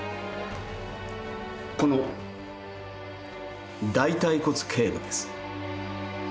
この大腿骨頸部です。